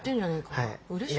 はい。